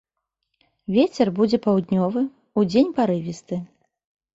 Вецер будзе паўднёвы, удзень парывісты.